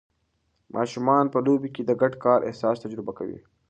ماشومان په لوبو کې د ګډ کار احساس تجربه کوي.